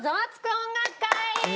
音楽会」